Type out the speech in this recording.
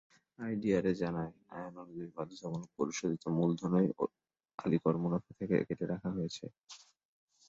IDRA জানায়, আইনানুযায়ী বাধ্যতামূলক পরিশোধিত মূলধনই আলিকোর মুনাফা থেকে কেটে রাখা হয়েছে।